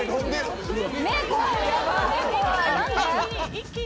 一気に。